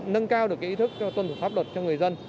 nâng cao được ý thức tuân thủ pháp luật cho người dân